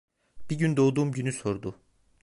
Bir gün doğduğum günü sordu.